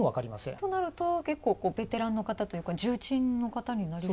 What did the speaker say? となると、結構ベテランの方というか重鎮の方になりそう？